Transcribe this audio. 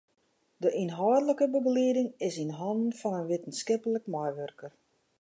De ynhâldlike begelieding is yn hannen fan in wittenskiplik meiwurker.